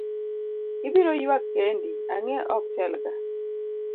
Ibiro yuak kendi, ang'e ok tel ga.